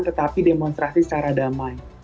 tetapi demonstrasi secara damai